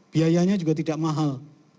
biayanya juga tidak mahal